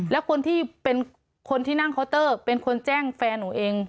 แล้วคนที่เป็นคนที่นั่งเคาน์เตอร์เป็นคนแจ้งแฟนหนูเอง